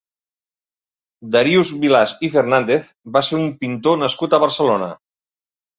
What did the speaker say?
Darius Vilàs i Fernández va ser un pintor nascut a Barcelona.